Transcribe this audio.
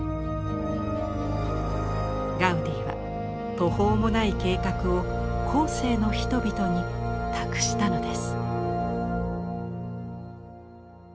ガウディは途方もない計画を後世の人々に託したのです。